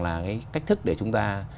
là cái cách thức để chúng ta